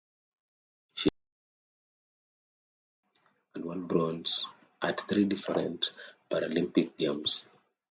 She has won two gold medals and one bronze at three different Paralympic Games.